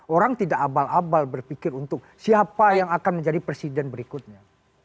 orang tidak abal abal berpikir untuk siapa yang akan menjadi presiden berikutnya